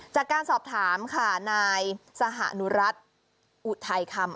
จากการสอบถามค่ะนายสหนุรัติอุทัยคำ